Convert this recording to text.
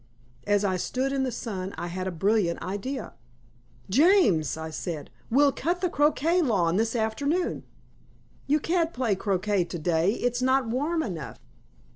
As I stood in the sun I had a brilliant idea. "James," I said, "we'll cut the croquet lawn this afternoon." "You can't play croquet to day, it's not warm enough."